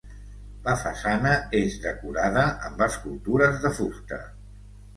La façana és decorada amb escultures de fusta.